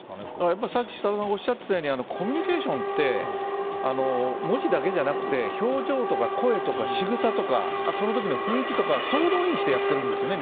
やっぱり、さっき設楽さんがおっしゃったようにコミュニケーションって文字だけじゃなくて表情とか声とか仕草とかあと、その時の雰囲気とか総動員してやってるんですね。